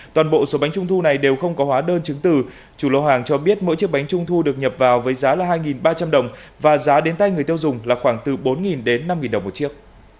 toàn bộ số bánh trung thu này đều không có hóa đơn chứng từ chủ lô hàng cho biết mỗi chiếc bánh trung thu được nhập vào với giá là hai ba trăm linh đồng và giá đến tay người tiêu dùng là khoảng từ bốn đến năm đồng một chiếc